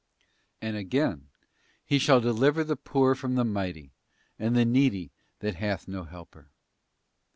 * And again, ' He shall deliver the poor from the mighty, and the needy that hath no helper.